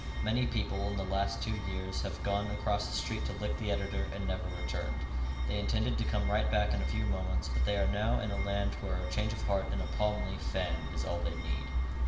Many people in the last two years have gone across the street to lick the editor and never returned. They intended to come right back in a few moments, but they are now in a land where a change of heart and a palm leaf fan is all they need.